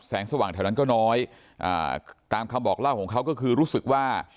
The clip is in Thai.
สว่างแถวนั้นก็น้อยอ่าตามคำบอกเล่าของเขาก็คือรู้สึกว่า